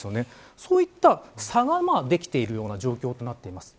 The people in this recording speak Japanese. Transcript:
そういった差ができているような状況となっています。